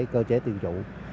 cơ chế từ chủ